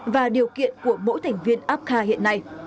và điều kiện của mỗi thành viên apca hiện nay